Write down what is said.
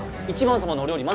１番様のお料理